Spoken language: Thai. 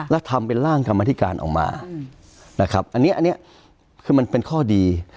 แล้วทำเป็นร่างกรรมธิการออกมานะครับอันนี้คือมันเป็นข้อดี